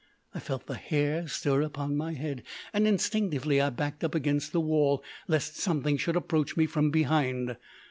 I felt the hair stir upon my head, and instinctively I backed up against the wall, lest something should approach me from behind.